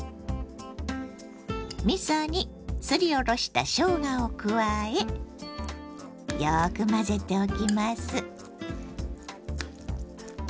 みそにすりおろしたしょうがを加えよく混ぜておきます。